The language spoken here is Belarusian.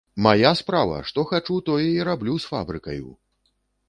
Мая справа, што хачу, тое і раблю з фабрыкаю!